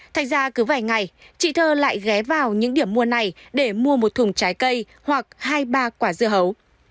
thành ra cứ vài ngày chị thơ lại ghé vào những điểm mua này để mua một thùng trái cây hoặc hai ba quả dưa hấu